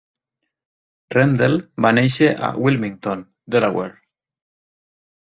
Rendell va néixer a Wilmington (Delaware).